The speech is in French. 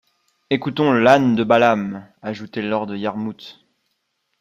Écoutons l’âne de Balaam, ajoutait lord Yarmouth.